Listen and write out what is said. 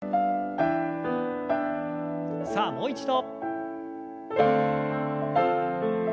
さあもう一度。